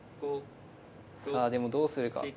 さあでもどうするか。